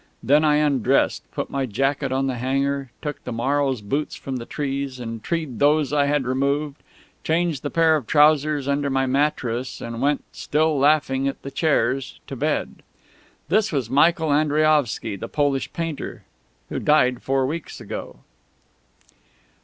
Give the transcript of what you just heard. Then I undressed, put my jacket on the hanger, took the morrow's boots from the trees and treed those I had removed, changed the pair of trousers under my mattress, and went, still laughing at the chairs, to bed. This was Michael Andriaovsky, the Polish painter, who died four weeks ago.